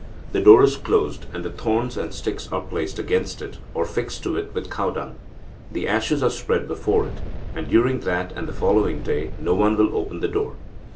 The door is closed, and the thorns and sticks are placed against it, or fixed to it with cow dung. The ashes are spread before it, and, during that and the following day, no one will open the door.